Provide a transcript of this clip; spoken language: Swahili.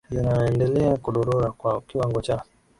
zinaendelea kudorora kwa kiwango cha